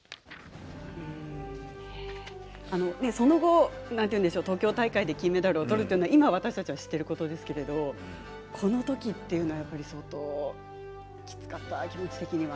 その後東京大会で金メダルを取るというのは今、私たちは知っていることですけれどこの時というのは相当きつかった、気持ち的には。